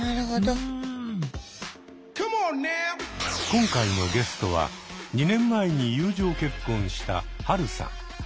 今回のゲストは２年前に友情結婚したハルさん。